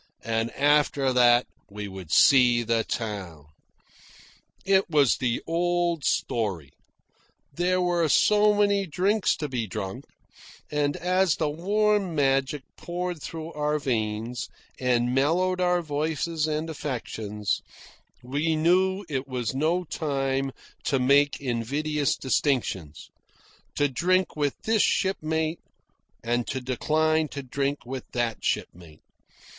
And after that we would see the town. It was the old story. There were so many drinks to be drunk, and as the warm magic poured through our veins and mellowed our voices and affections we knew it was no time to make invidious distinctions to drink with this shipmate and to decline to drink with that shipmate.